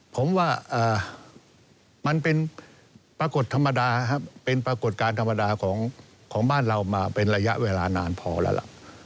ผมว่ามันเป็นปรากฏการธรรมดาของบ้านเรามาเป็นระยะเวลานานพอแล้ว